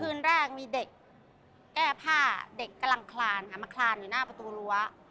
คืนแรกมีเด็กแก้ผ้าเด็กกำลังคลานค่ะมาคลานอยู่หน้าประตูรั้ว